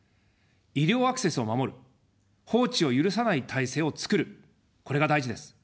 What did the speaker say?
医療アクセスを守る、放置を許さない体制を作る、これが大事です。